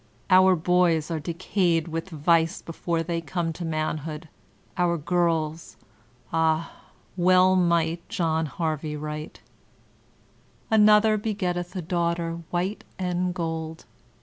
Our boys are decayed with vice before they come to manhood; our girls— ah, well might John Harvey write : "Anodier begettetfa a daughter white and gold.